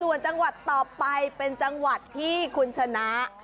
ส่วนจังหวัดต่อไปเป็นจังหวัดที่คุณชนะ